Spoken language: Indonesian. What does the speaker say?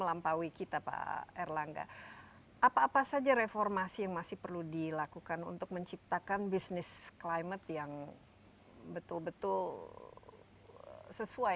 apa apa saja reformasi yang masih perlu dilakukan untuk menciptakan bisnis climate yang betul betul sesuai